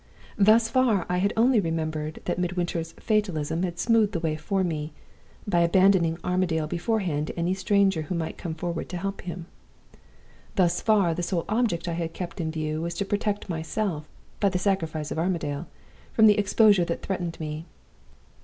Thus far I had only remembered that Midwinter's fatalism had smoothed the way for me, by abandoning Armadale beforehand to any stranger who might come forward to help him. Thus far the sole object I had kept in view was to protect myself, by the sacrifice of Armadale, from the exposure that threatened me.